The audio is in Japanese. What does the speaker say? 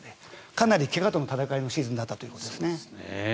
かなり怪我との闘いのシーズンだったということです。